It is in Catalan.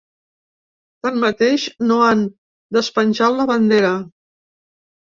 Tanmateix, no han despenjat la bandera.